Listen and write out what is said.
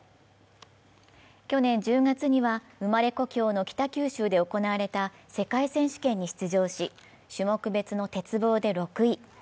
去年１０月には、生まれ故郷の北九州で行われた世界選手権に出場し種目別の鉄棒で６位。